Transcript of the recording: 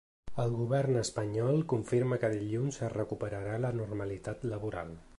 El govern espanyol confirma que dilluns es recuperarà la ‘normalitat laboral’